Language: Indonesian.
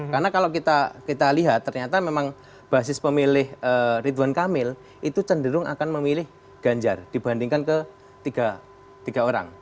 karena kalau kita lihat ternyata memang basis pemilih erituan kamil itu cenderung akan memilih ganjar dibandingkan ke tiga orang